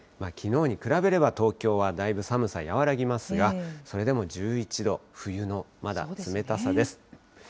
きのうに比べれば東京はだいぶ寒さ和らぎますが、それでも１１度、冬のまだ冷たさです。